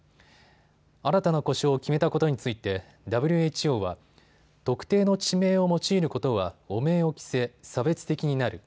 新たな呼称を決めたことについてＷＨＯは特定の地名を用いることは汚名を着せ、差別的になる。